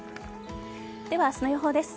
では、明日の予報です。